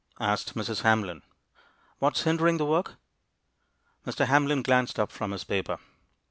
asked Mrs. Hamlin. "What is hindering the work?" Mr. Hamlin glanced up from his paper.